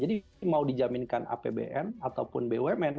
jadi mau dijaminkan apbn ataupun bumn